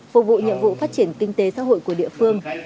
phục vụ phát triển kinh tế xã hội của địa phương